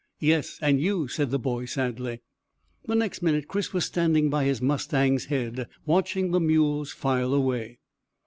"Yes; and you," said the boy sadly. The next minute Chris was standing by his mustang's head, watching the mules file away.